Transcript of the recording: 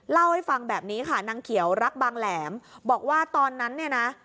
เล่าให้ฟังแบบนี้ค่ะนางเขียวรักบางแหลมบอกว่าตอนนั้นเนี่ยนะ